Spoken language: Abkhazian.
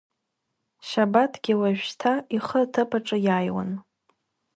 Шьабаҭгьы уажәшьҭа ихы аҭыԥаҿы иааиуан.